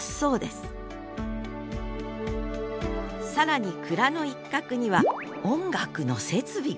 更に蔵の一角には音楽の設備が。